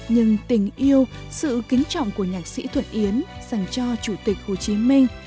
nhưng tình yêu sự kính trọng của nhạc sĩ thuận yến dành cho chủ tịch hồ chí minh